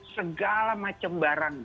segala macam barang